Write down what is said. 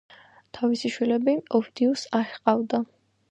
თავისი შვილები ოვიდიუსს არ ჰყავდა.